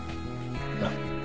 なっ